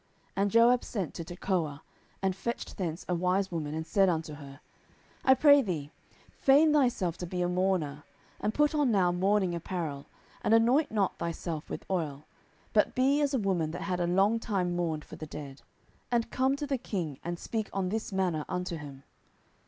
10:014:002 And Joab sent to Tekoah, and fetched thence a wise woman, and said unto her, I pray thee, feign thyself to be a mourner, and put on now mourning apparel, and anoint not thyself with oil, but be as a woman that had a long time mourned for the dead: 10:014:003 And come to the king, and speak on this manner unto him.